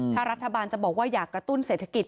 ถ้ารัฐบาลจะบอกว่าอยากกระตุ้นเศรษฐกิจ